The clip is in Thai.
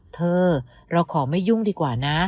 เธอเราขอไม่ยุ่งดีกว่านะ